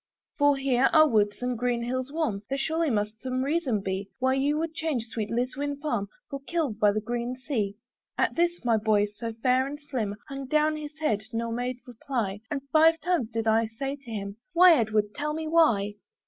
"For, here are woods and green hills warm; "There surely must some reason be "Why you would change sweet Liswyn farm "For Kilve by the green sea." At this, my boy, so fair and slim, Hung down his head, nor made reply; And five times did I say to him, "Why? Edward, tell me why?"